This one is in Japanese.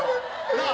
なあ！